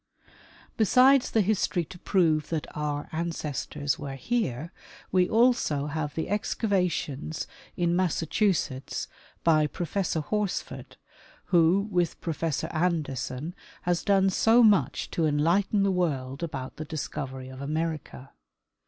Besides the history to prove that our ancestors were here, we also have the excavations in Massachusetts by Professor Hors ford, who, with Professor Anderson, has done so much to en lighten the world about the discovery of America.